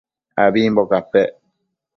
abimbo capec